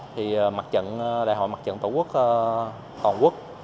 thì mặt trận đại hội mặt trận tổ quốc toàn quốc